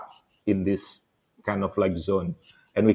kita akan terjebak di zona ini